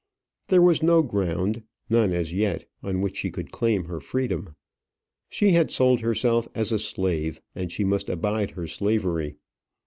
There was no ground, none as yet, on which she could claim her freedom. She had sold herself as a slave, and she must abide her slavery.